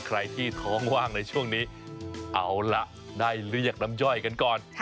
ใครที่ท้องว่างในช่วงนี้เอาละได้เรียกน้ำย่อยกันก่อน